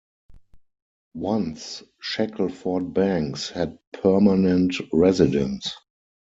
Once Shackleford Banks had permanent residents.